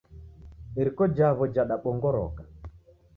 Iriko jawo jadabongoroka